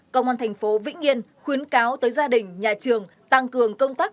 công an tp vĩnh yên khuyến cáo tới gia đình nhà trường tăng cường công tác